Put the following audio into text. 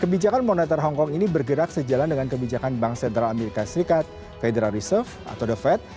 kebijakan monetary authority hongkong ini bergerak sejalan dengan kebijakan bank sentral as federal reserve atau the fed